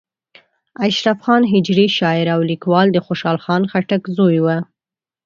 اشرف خان هجري شاعر او لیکوال د خوشحال خان خټک زوی و.